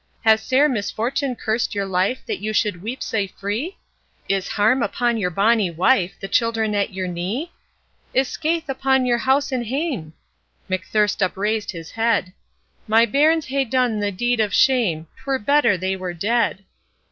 'Has sair misfortune cursed your life That you should weep sae free? Is harm upon your bonny wife, The children at your knee? Is scaith upon your house and hame?' McThirst upraised his head: 'My bairns hae done the deed of shame 'Twere better they were dead.